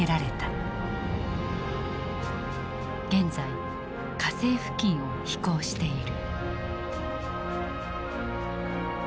現在火星付近を飛行している。